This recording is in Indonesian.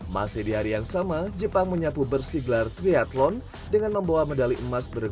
masih di hari yang sama jepang menyapu bersiglar triathlon dengan membawa medali emas berguna